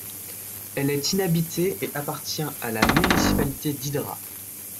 Elle est inhabitée et appartient à la municipalité d'Hydra.